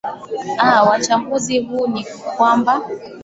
aa wachambuzi huu ni kwamba